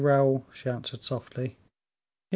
Raoul," she answered softly; "yes, M.